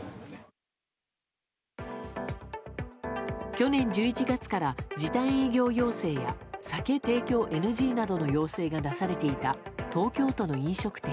去年１１月から時短営業要請や酒提供ＮＧなどの要請が出されていた東京都の飲食店。